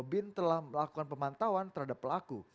bin telah melakukan pemantauan terhadap pelaku